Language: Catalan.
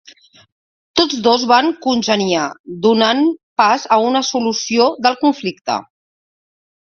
Tots dos van congeniar, donant pas a una solució del conflicte.